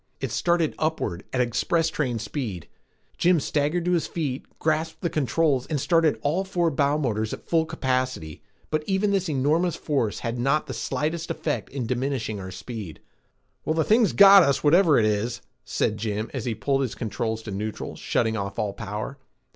It started upward at express train speed. Jim staggered to his feet, grasped the controls and started all four bow motors at full capacity, but even this enormous force had not the slightest effect in diminishing our speed. "Well, the thing's got us, whatever it is," said Jim as he pulled his controls to neutral, shutting off all power.